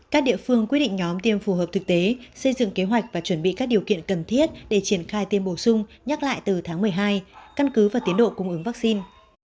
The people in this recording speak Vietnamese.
các địa phương quyết định nhóm tiêm phù hợp thực tế xây dựng kế hoạch và chuẩn bị các điều kiện cần thiết để triển khai tiêm bổ sung nhắc lại từ tháng một mươi hai căn cứ và tiến độ cung ứng vaccine